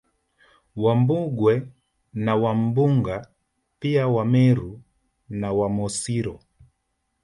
Wambugwe na Wambunga pia Wameru na Wamosiro